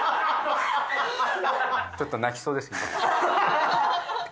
ちょっと泣きそうです。